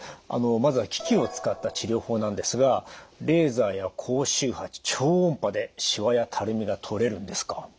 まずは機器を使った治療法なんですがレーザーや高周波超音波でしわやたるみがとれるんですか？